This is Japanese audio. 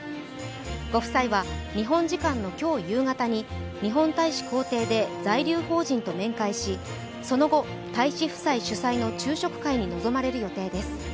ご夫妻は日本時間の今日夕方に日本大使公邸で在留邦人と面会し、その後、大使夫妻主催の昼食会に臨まれる予定です。